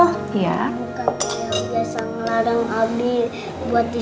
bukan kayak biasa ngelarang abi buat disuapin itu tante